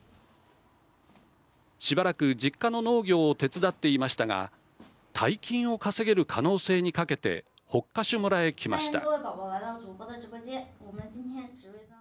しばらく実家の農業を手伝っていましたが大金を稼げる可能性にかけて北下朱村へ来ました。